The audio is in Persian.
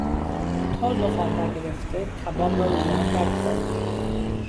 تا زغال نگرفته کباب را روی آن نگذارید.